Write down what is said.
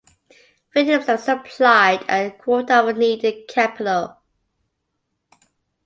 Field himself supplied a quarter of the needed capital.